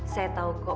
saya tahu kok